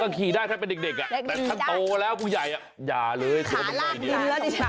ก็ขี่ได้แทบเป็นเด็กนะแต่สักโตแล้วกูใหญ่